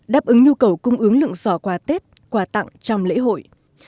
đáp ứng nhu cầu cung ứng lượng giỏ quà tết quà tặng trong lễ hội